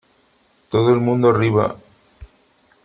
¡ todo el mundo arriba !